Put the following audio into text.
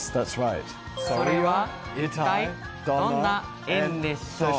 それは一体どんな縁でしょう？